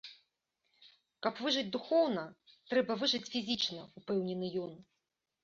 Каб выжыць духоўна, трэба выжыць фізічна, упэўнены ён.